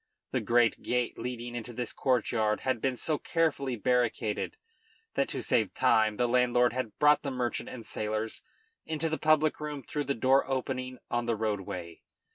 The great gate leading into this courtyard had been so carefully barricaded that to save time the landlord had brought the merchant and sailors into the public room through the door opening on the roadway.